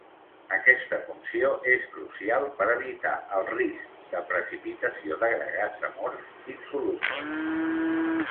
Aquesta funció és crucial per evitar el risc de precipitació d'agregats amorfs insolubles.